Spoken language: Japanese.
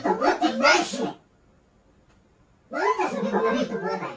なんでそれが悪いと思わないの？